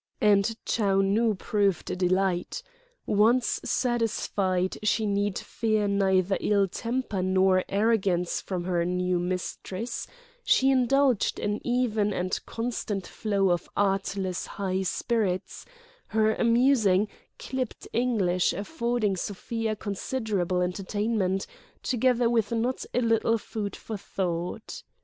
And Chou Nu proved a delight. Once satisfied she need fear neither ill temper nor arrogance from her new mistress, she indulged an even and constant flow of artless high spirits, her amusing, clipped English affording Sofia considerable entertainment together with not a little food for thought.